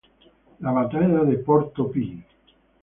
La "Batalla de Porto Pi".